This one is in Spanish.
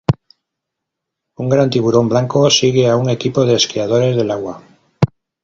Un gran tiburón blanco sigue a un equipo de esquiadores del agua.